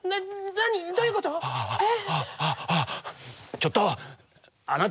ちょっと！